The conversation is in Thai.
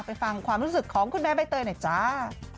ฟังความรู้สึกของคุณแม่ใบเตยหน่อยจ้า